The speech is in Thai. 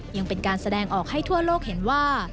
ยังเป็นการแสดงออกให้ทั่วโลกเห็นว่า